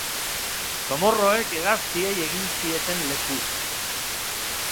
Zomorroek hegaztiei egin zieten leku.